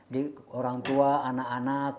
di orang tua anak anak